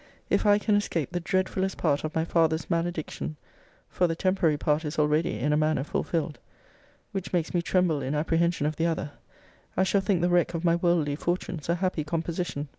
If I can escape the dreadfullest part of my father's malediction, (for the temporary part is already, in a manner, fulfilled, which makes me tremble in apprehension of the other,) I shall think the wreck of my worldly fortunes a happy composition.